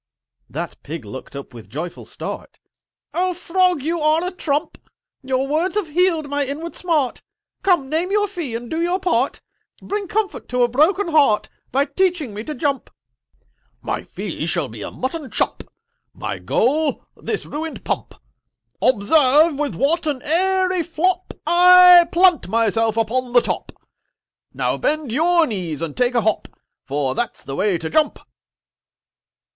That Pig looked up with joyful start: "Oh Frog, you are a trump! Your words have healed my inward smart— Come, name your fee and do your part: Bring comfort to a broken heart By teaching me to jump!" "My fee shall be a mutton chop, My goal this ruined Pump. Observe with what an airy flop I plant myself upon the top! Now bend your knees and take a hop, For that's the way to jump!"